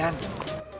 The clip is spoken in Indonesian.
bapak mau jalan dulu